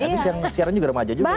abis siaran juga remaja juga sih